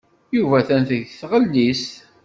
Yuba atan deg tɣellist.